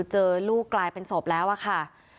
เจอลูกกลายเป็นศพแล้วอะค่ะ